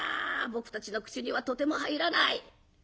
僕たちの口にはとても入らない。